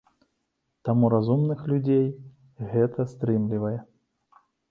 Таму разумных людзей гэта стрымлівае.